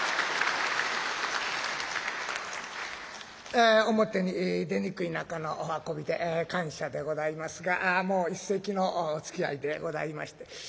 え表に出にくい中のお運びで感謝でございますがもう一席のおつきあいでございまして。